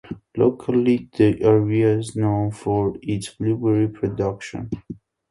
Locally the area is known for its blueberry production.